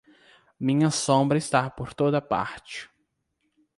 Minha sombra está por toda parte.